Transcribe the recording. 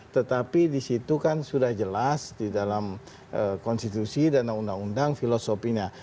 tetapi di situ kan sudah jelas di dalam konstitusi dan undang undang filosofinya